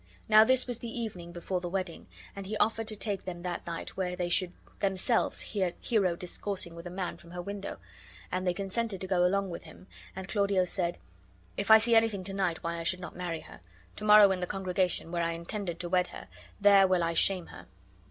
Now this was the evening before the wedding, and he offered to take them that night where they should themselves hear Hero discoursing with a man from her window; and they consented to go along with him, and Claudio said: "If I see anything to night why I should not marry her, to morrow in the congregation, where I intended to wed her, there will I shame her."